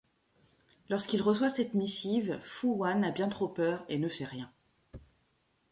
Lorsqu'il reçoit cette missive, Fu Wan a bien trop peur et ne fait rien.